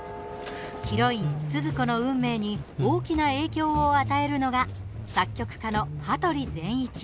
ヒロイン、スズ子の運命に大きな影響を与えるのが作曲家の羽鳥善一。